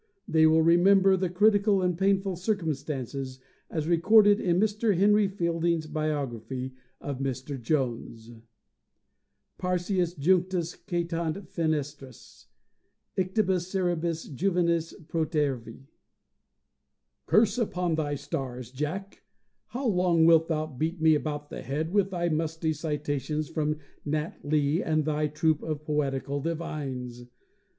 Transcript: They will remember the critical and painful circumstances as recorded in Mr. Henry Fielding's biography of Mr. Jones. Parcius junctas quatiunt fenestras Ictibus crebris juvenes protervi. CURSE upon thy stars, Jack! How long wilt thou beat me about the head with thy musty citations from Nat Lee and thy troop of poetical divines?